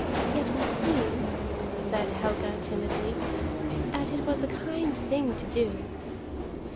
"Yet meseems," said Helga timidly, "that it was a kind thing to do."